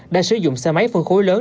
đã sử dụng xe máy phân khối lớn